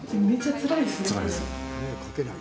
つらいです。